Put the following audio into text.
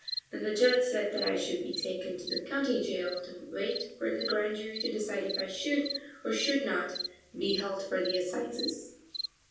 Then the judge said that I should be taken to the county jail to wait for the Grand Jury to decide if I should, or should not, be held for the assizes.